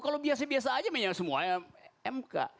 kalau biasa biasa aja memang semua mk